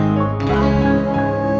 gak usah ngejual